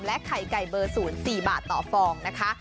และไข่ไก่เบอร์ศูนย์๔บาทต่อฟองนะคะ